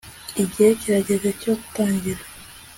igihe kirageze cyo gutangira